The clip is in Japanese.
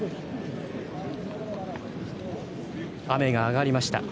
雨が上がりました。